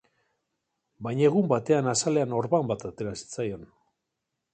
Baina egun batean azalean orban bat atera zitzaion.